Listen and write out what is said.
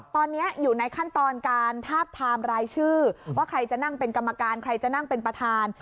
ตอนนี้อยู่ในขั้นตอนการทาบทามรายชื่อว่าใครจะนั่งเป็นกรรมการใครจะนั่งเป็นประธาน